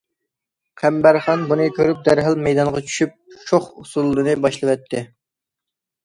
قەمبەرخان بۇنى كۆرۈپ دەرھال مەيدانغا چۈشۈپ شوخ ئۇسسۇلنى باشلىۋەتتى.